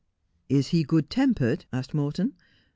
' Is he good tempered 1 ' asked Morton.